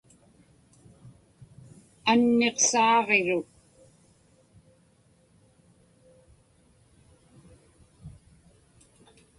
Anniqsaaġiruk.